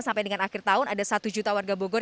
sampai dengan akhir tahun ada satu juta warga bogor